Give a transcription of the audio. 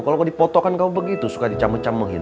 kalo dipotokan kamu begitu suka dicamuk camukin